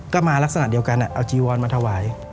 ก็มาลักษณะเดียวกันเอาจีวอนมาถวาย